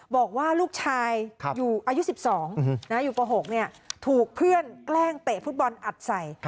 บอกว่าลูกชายอยู่อายุ๑๒อยู่ป๖ถูกเพื่อนแกล้งเตะฟุตบอลอัดใส่